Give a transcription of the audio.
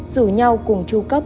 dù nhau cùng tru cấp